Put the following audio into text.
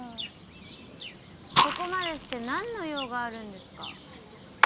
そこまでしてなんの用があるんですか？